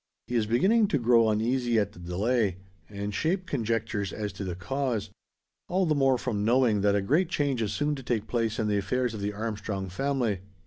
He is beginning to grow uneasy at the delay, and shape conjectures as to the cause. All the more from knowing, that a great change is soon to take place in the affairs of the Armstrong family.